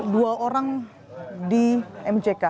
dua orang di mck